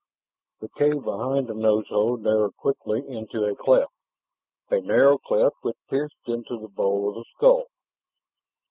The cave behind the nose hole narrowed quickly into a cleft, a narrow cleft which pierced into the bowl of the skull.